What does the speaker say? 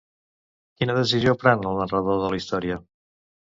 Quina decisió pren el narrador de la història?